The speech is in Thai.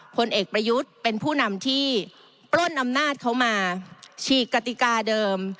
ผลเอกประยุทธ์เป็นผู้นำที่ปล้นอำนาจเขามาฉีกกติกาเดิม